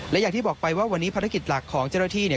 และอย่างที่บอกไปว่าวันนี้ภารกิจหลักของเจ้าหน้าที่เนี่ย